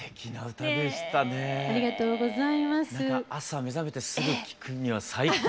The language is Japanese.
何か朝目覚めてすぐ聴くには最高の。